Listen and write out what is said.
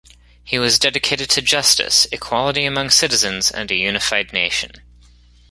He was dedicated to justice, equality among citizens, and a unified nation.